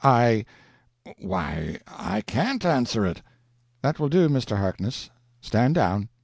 "I why, I can't answer it." "That will do, Mr. Harkness. Stand down."